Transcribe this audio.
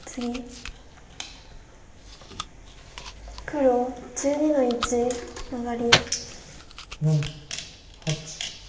黒１２の一マガリ。